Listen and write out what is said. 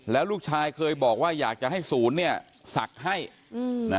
แล้วลูกชายเคยบอกว่าอยากจะให้ศูนย์เนี่ยศักดิ์ให้นะ